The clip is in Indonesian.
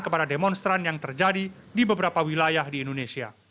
kepada demonstran yang terjadi di beberapa wilayah di indonesia